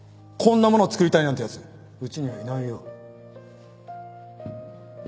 こんなもの作りたいなんてやつうちにはいないよ